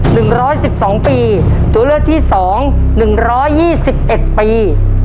หนึ่งร้อยสิบสองปีตัวเลือกที่สองหนึ่งร้อยยี่สิบเอ็ดปี